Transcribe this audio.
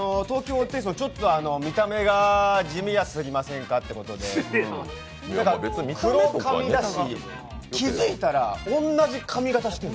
ホテイソン、ちょっと見た目が地味やすぎませんかということで、黒髪だし、気づいたら、おんなじ髪型してる。